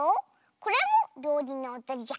これもりょうりのおとじゃ。